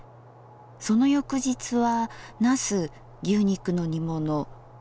その翌日は「茄子牛肉の煮物」。